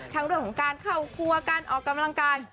เรื่องของการเข้าครัวการออกกำลังกาย